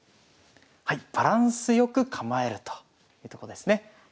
はいバランスよく構えるというとこですね。